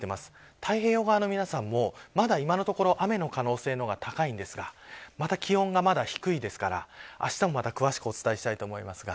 太平洋側の皆さんもまだ今のところ雨の可能性の方が高いんですがまだ気温が低いですからあしたもまた詳しくお伝えしたいと思います。